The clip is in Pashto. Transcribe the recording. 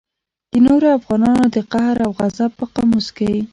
د نورو افغانانو د قهر او غضب په قاموس کې.